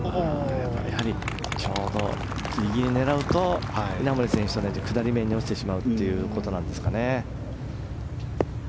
ちょうどギリギリ狙うと稲森選手と同じ下り面に落ちてしまうということですね。